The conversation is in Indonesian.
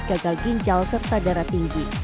gagal ginjal serta darah tinggi